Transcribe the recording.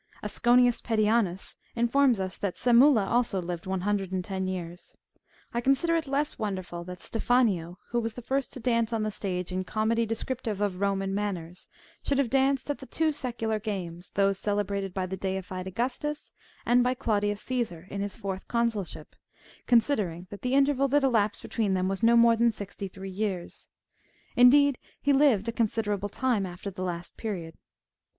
Asconius Pedianus informs us, that Sammula also lived one hundred and ten years. I consider it less wonderful that Stephanie, who was the first to dance on the stage in comedy descriptive of Roman manners, should have^^ danced at the two secular games, those celebrated by the deified Au gustus, and by Claudius Csesar, in his fourth consulship, consi dering that the interval that elapsed between them was no more than sixty three years f^ indeed, he lived a considerable time after the last period.